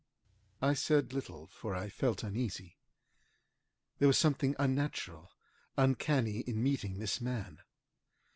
I said little, for I felt uneasy. There was something unnatural, uncanny, in meeting this man.